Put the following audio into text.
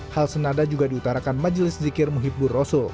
hal senada juga diutarakan majelis zikir muhibbur rosul